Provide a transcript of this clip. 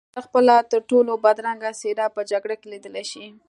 بشر خپله ترټولو بدرنګه څېره په جګړه کې لیدلی شي